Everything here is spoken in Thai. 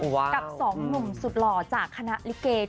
กับสองหนุ่มสุดหล่อจากคณะลิเก